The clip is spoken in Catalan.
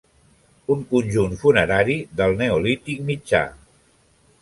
Un conjunt funerari del neolític mitjà.